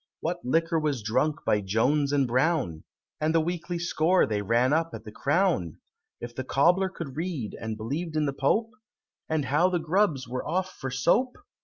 What liquor was drunk by Jones and Brown? And the weekly score they ran up at the Crown? If the Cobbler could read, and believed in the Pope? And how the Grubbs were off for soap?